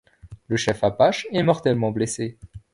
Le chef Apache est mortellement blessé.